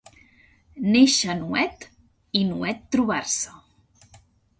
Néixer nuet i nuet trobar-se.